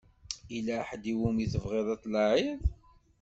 Yella ḥedd i wumi tebɣiḍ ad tlaɛiḍ?